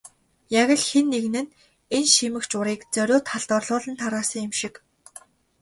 Яг л хэн нэг нь энэ шимэгч урыг зориуд халдварлуулан тараасан юм шиг.